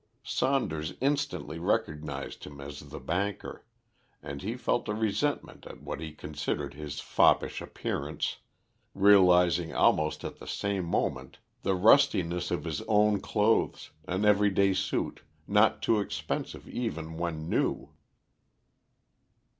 Saunders instantly recognised him as the banker, and he felt a resentment at what he considered his foppish appearance, realising almost at the same moment the rustiness of his own clothes, an everyday suit, not too expensive even when new.